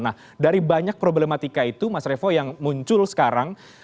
nah dari banyak problematika itu mas revo yang muncul sekarang